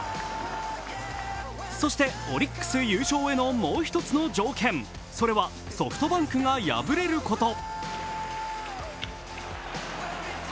そして、オリックス優勝へのもう一つの条件、それはソフトバンクが敗れること。